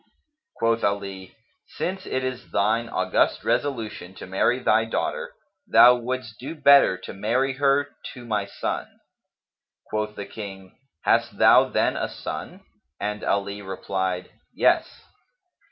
Quoth Ali, "Since it is thine august resolution to marry thy daughter, thou wouldst do better to marry her to my son. Quoth the King, "Hast thou then a son?"; and Ali replied, "Yes."